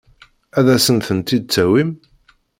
Ad asen-tent-id-tawim?